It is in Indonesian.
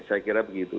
saya kira begitu